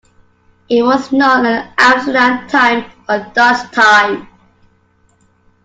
It was known as Amsterdam Time or Dutch Time.